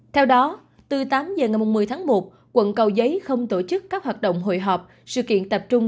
theo đó từ tám h ngày một mươi tháng một quận cầu giấy không tổ chức các hoạt động hội họp sự kiện tập trung